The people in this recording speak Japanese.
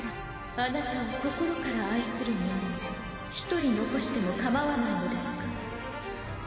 あなたを心から愛する者を一人残してもかまわないのですか？